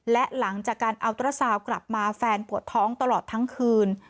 และหลังจากการอัลเตอร์ซาวน์กลับมาแฟนปวดท้องตลอดทั้งคืน